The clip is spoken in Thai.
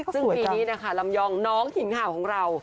ซึ่งปีนี้นะคะลำยองน้องทีมข่าวของเรา